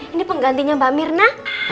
ini penggantinya mbak mirna